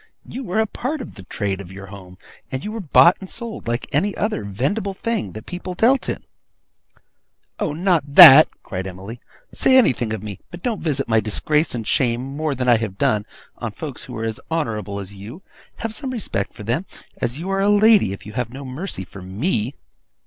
You were a part of the trade of your home, and were bought and sold like any other vendible thing your people dealt in.' 'Oh, not that!' cried Emily. 'Say anything of me; but don't visit my disgrace and shame, more than I have done, on folks who are as honourable as you! Have some respect for them, as you are a lady, if you have no mercy for me.